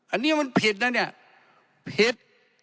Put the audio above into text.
อันนี้มันผิดนะเนี่ยผิด